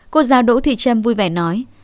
cô giáo đỗ thị trâm vui vẻ nói